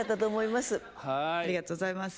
ありがとうございます。